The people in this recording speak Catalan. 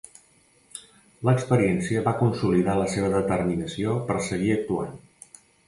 L'experiència va consolidar la seva determinació per seguir actuant.